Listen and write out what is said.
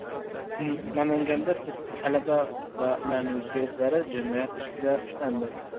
Namanganda talaba va uning sheriklari jinoyat ustida ushlandi